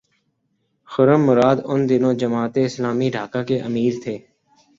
خرم مراد ان دنوں جماعت اسلامی ڈھاکہ کے امیر تھے۔